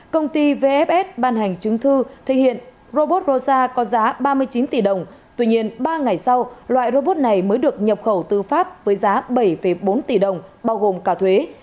công ty vfs ban hành chứng thư thể hiện robot rosa có giá ba mươi chín tỷ đồng tuy nhiên ba ngày sau loại robot này mới được nhập khẩu tư pháp với giá bảy bốn tỷ đồng bao gồm cả thuế